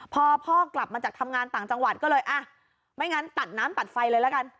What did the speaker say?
พอพ่อกลับมาจากทำงานต่างจังหวัดก็เลยอ่ะไม่งั้นตัดน้ำตัดไฟเลยละกัน